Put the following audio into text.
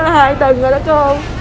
hai tuần rồi đó cô